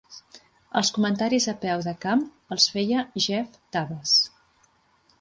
Els comentaris a peu de camp els feia Jeff Taves.